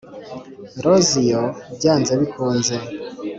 roza iyo, byanze bikunze,